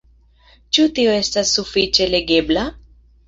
Ĉu tio estas sufiĉe legebla?